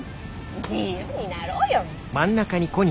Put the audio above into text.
自由になろうよ！